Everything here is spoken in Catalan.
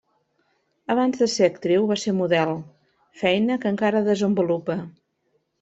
Abans de ser actriu, va ser model, feina que encara desenvolupa.